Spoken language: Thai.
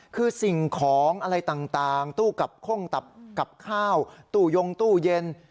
คือสิ่งของอะไรต่างตู้กับข้งกับข้าวตู้ยงตู้เย็น